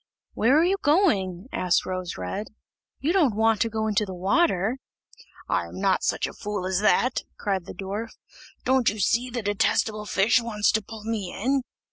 "Where are you going?" asked Rose red, "You don't want to go into the water?" "I am not such a fool as that," cried the dwarf, "Don't you see the detestable fish wants to pull me in?"